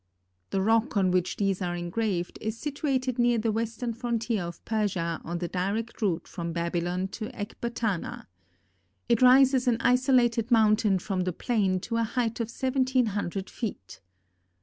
The rock on which these are engraved is situated near the western frontier of Persia on the direct route from Babylon to Ecbatana. It rises an isolated mountain from the plain to a height of seventeen hundred feet.